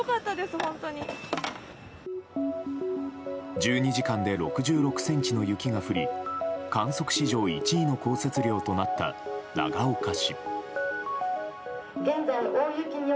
１２時間で６６ｃｍの雪が降り観測史上１位の降雪量となった長岡市。